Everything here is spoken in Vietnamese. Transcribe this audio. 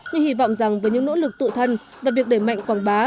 nhưng hy vọng rằng với những nỗ lực tự thân và việc để mạnh quảng bá